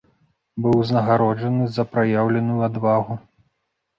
Быў узнагароджаны за праяўленую адвагу.